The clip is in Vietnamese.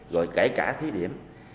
rồi kể cả thí điểm